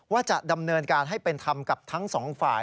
ว่าจะดำเนินการให้เป็นธรรมกับทั้งสองฝ่าย